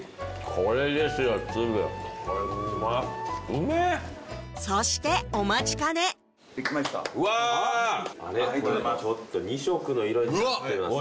これちょっと２色の色になってますね